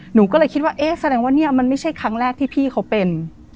หนูก็เลยคิดว่าเอ๊ะแสดงว่าเนี่ยมันไม่ใช่ครั้งแรกที่พี่เขาเป็น